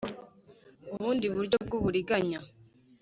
ubundi buryo bw uburiganya